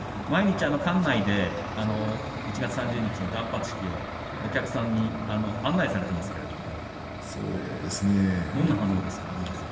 毎日、館内で１月３０日の断髪式をお客さんに案内されていますけれども、どんな反応ですか？